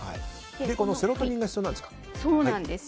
このセロトニンが必要なんですか？